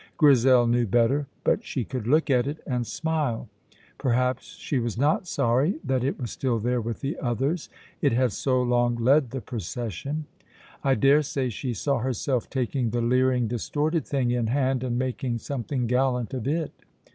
Grizel knew better! But she could look at it and smile. Perhaps she was not sorry that it was still there with the others, it had so long led the procession. I daresay she saw herself taking the leering, distorted thing in hand and making something gallant of it.